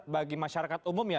bagi masyarakat umum ya